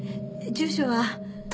住所は。